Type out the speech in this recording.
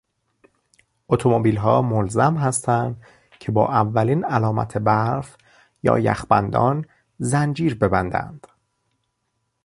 اتومبیلها ملزم هستند که با اولین علامت برف یا یخبندان زنجیر ببندند.